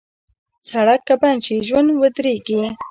سړک که بند شي، ژوند ودریږي.